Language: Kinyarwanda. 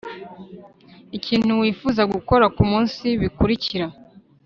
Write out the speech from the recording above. ikintu wifuza gukora kumunsi, bikurikira